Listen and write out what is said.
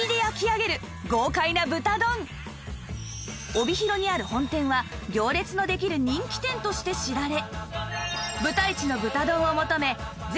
帯広にある本店は行列のできる人気店として知られ